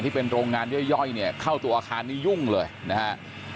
ที่เป็นโรงงานย่อยเนี่ยเข้าตัวอาคารนี้ยุ่งเลยนะฮะ